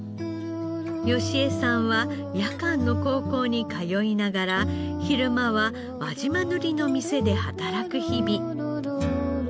良枝さんは夜間の高校に通いながら昼間は輪島塗の店で働く日々。